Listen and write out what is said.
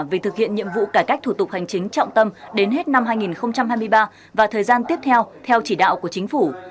về thực hiện nhiệm vụ cải cách thủ tục hành chính trọng tâm đến hết năm hai nghìn hai mươi ba và thời gian tiếp theo theo chỉ đạo của chính phủ